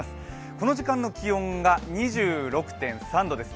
この時間の気温が２６．３度です。